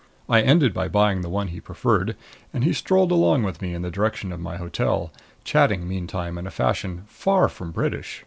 I ended by buying the one he preferred, and he strolled along with me in the direction of my hotel, chatting meantime in a fashion far from British.